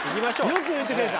よく言ってくれた。